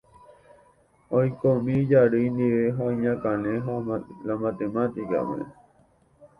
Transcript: oikómi ijarýi ndive ha iñakãne la matemática-pe.